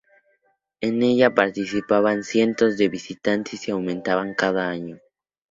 En ella participaban cientos de visitantes y aumentaban cada año.